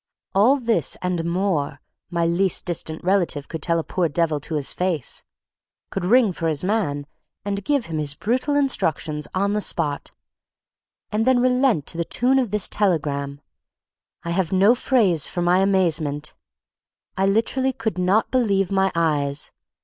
All this, and more, my least distant relative could tell a poor devil to his face; could ring for his man, and give him his brutal instructions on the spot; and then relent to the tune of this telegram! I have no phrase for my amazement. I literally could not believe my eyes.